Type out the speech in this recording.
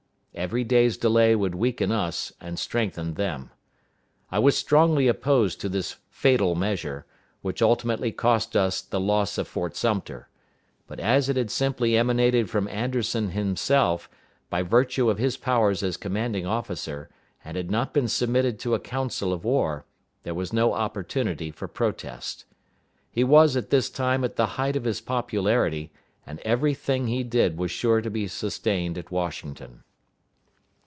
Every day's delay would weaken us and strengthen them. I was strongly opposed to this fatal measure, which ultimately cost us the loss of Fort Sumter; but as it had simply emanated from Anderson himself, by virtue of his powers as commanding officer, and had not been submitted to a council of war, there was no opportunity for protest. He was at this time at the height of his popularity, and every thing he did was sure to be sustained at Washington.